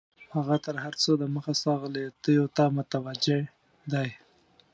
هغه تر هر څه دمخه ستا غلطیو ته متوجه دی.